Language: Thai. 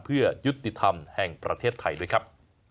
เพื่อยุติธรรมแห่งประเทศไทยด้วยครับ